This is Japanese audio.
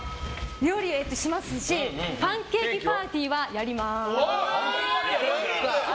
料理はしますしパンケーキパーティーはやりまーす！